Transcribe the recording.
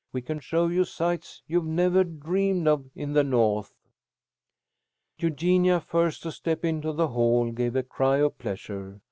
We can show you sights you've never dreamed of in the North." Eugenia, first to step into the hall, gave a cry of pleasure.